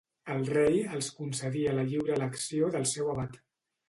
El rei els concedia la lliure elecció del seu abat.